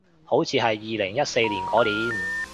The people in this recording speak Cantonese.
好似係二零一四嗰年